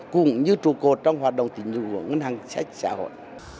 cũng như trụ cột trong hoạt động tính dụng của ngân hàng sách xã hội